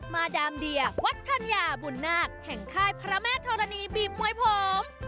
มาดามเดียวัดธัญญาบุญนาคแห่งค่ายพระแม่ธรณีบีบมวยผม